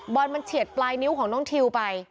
บอลมันเฉียดปลายนิ้วของน้องทิวไป